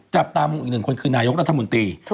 จับตามองอีกหนึ่งคนคือนายกรัฐมนตรี